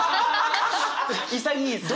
潔いですね。